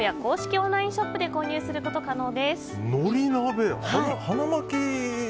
オンラインショップで購入することが可能です。